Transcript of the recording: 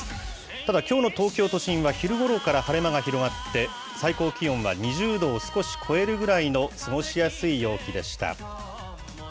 ただ、きょうの東京都心は昼ごろから晴れ間が広がって、最高気温は２０度を少し超えるぐらいの過ごしやすい陽気でした。